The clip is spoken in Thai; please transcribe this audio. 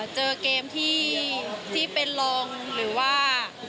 เจอเกมที่เป็นลงหรือว่า